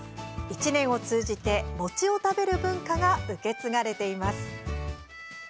１年を通じて餅を食べる文化が受け継がれています。